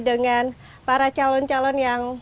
dengan para calon calon yang